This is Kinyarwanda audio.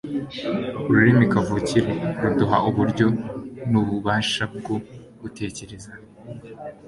Ururimi kavukire ruduha uburyo n'ububasha bwo gutekereza,